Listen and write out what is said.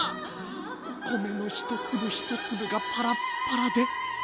米の一粒一粒がパラッパラで。